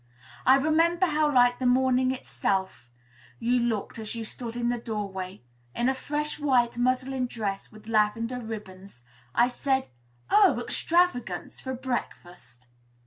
I remember how like the morning itself you looked as you stood in the doorway, in a fresh white muslin dress, with lavender ribbons. I said, "Oh, extravagance! For breakfast!"